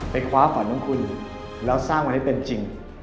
คว้าฝันของคุณแล้วสร้างไว้ให้เป็นจริง